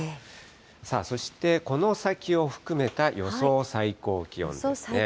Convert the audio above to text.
さあ、そしてこの先を含めた予想最高気温です。